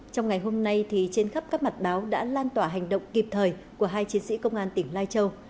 trong ngày hôm nay trên khắp các mặt báo đã lan tỏa hành động kịp thời của hai chiến sĩ công an tỉnh lai châu